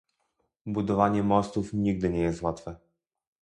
Budowanie mostów nigdy nie jest łatwe